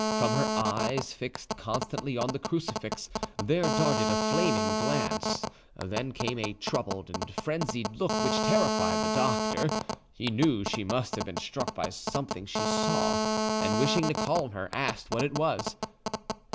From her eyes, fixed constantly on the crucifix, there darted a flaming glance, then came a troubled and frenzied look which terrified the doctor. He knew she must have been struck by something she saw, and, wishing to calm her, asked what it was.